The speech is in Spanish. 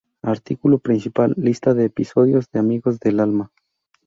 Artículo principal: Lista de episodios de Amigos del Alma.